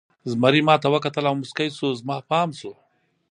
زمري ما ته وکتل او موسکی شو، زما پام شو.